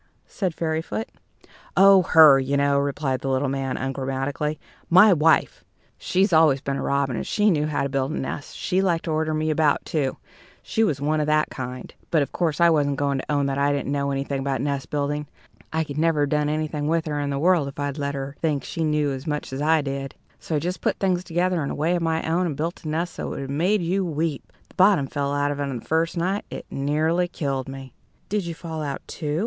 said Fairyfoot "Oh, her, you know," replied the little man, ungrammatically, "my wife. She'd always been a robin, and she knew how to build a nest; she liked to order me about, too she was one of that kind. But, of course, I wasn't going to own that I didn't know anything about nest building. I could never have done anything with her in the world if I'd let her think she knew as much as I did. So I just put things together in a way of my own, and built a nest that would have made you weep! The bottom fell out of it the first night. It nearly killed me." "Did you fall out, too?"